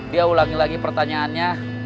dia ulangi lagi pertanyaannya